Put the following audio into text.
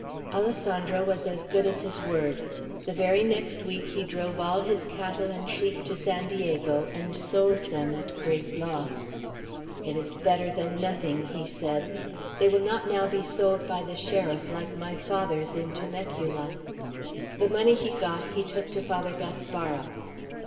Alessandro was as good as his word. The very next week he drove all his cattle and sheep to San Diego, and sold them at great loss. "It is better than nothing," he said. "They will not now be sold by the sheriff, like my father's in Temecula." The money he got, he took to Father Gaspara.